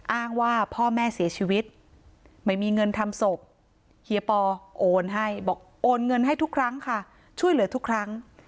อ้างว่าพ่อแม่เสียชีวิตไม่มีเงินทำศพเฮียปอโอนให้บอกโอนเงินให้ทุกครั้งค่ะช่วยเหลือทุกครั้ง